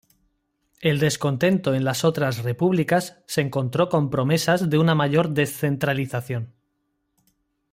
El descontento en las otras repúblicas se encontró con promesas de una mayor descentralización.